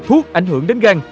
thuốc ảnh hưởng đến gan